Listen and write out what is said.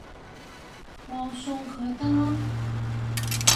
我送佢得喇